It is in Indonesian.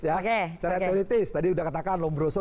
secara teoritis tadi sudah katakan lombroso